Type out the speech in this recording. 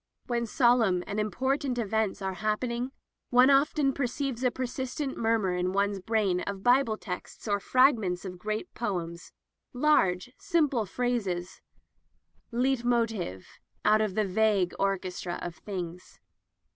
When solemn and important events are happening, one often perceives a persistent murmur in one's brain of Bible texts or frag ments of great poems — large, simple phrases — Leitmotive out of the vague orchestra of things.